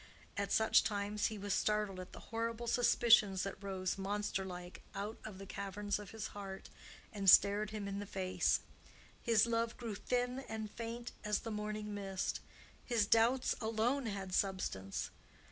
At such times he was startled at the horrible suspicions that rose, monster like, out of the caverns of his heart and stared him in the face; his love grew thin and faint as the morning mist, his doubts alone had substance.